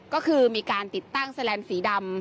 ก็คือมีการติดตั้งแลนด์สีดำ